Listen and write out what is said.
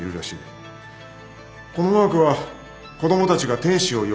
このマークは子供たちが天使を呼ぶための合図だ。